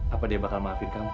apa dia bakal maafin kamu